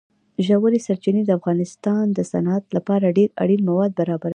ژورې سرچینې د افغانستان د صنعت لپاره ډېر اړین مواد برابروي.